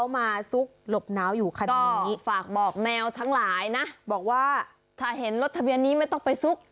แมวทั้งหลายนะบอกว่าถ้าเห็นรถทะเบียนนี้ไม่ต้องไปซุก